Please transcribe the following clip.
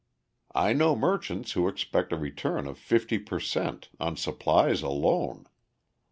I know merchants who expect a return of 50 per cent. on supplies alone.